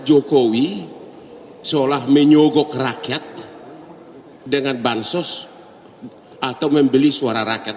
jokowi seolah menyogok rakyat dengan bansos atau membeli suara rakyat